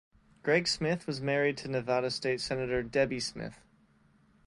Greg Smith was married to Nevada state senator Debbie Smith.